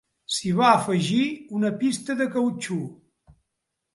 S'hi va afegir una pista de cautxú.